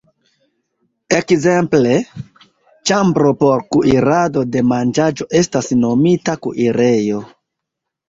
Ekzemple, ĉambro por kuirado de manĝaĵo estas nomita kuirejo.